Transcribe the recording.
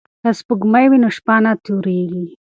که سپوږمۍ وي نو شپه نه تورېږي.